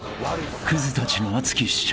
［クズたちの熱き主張］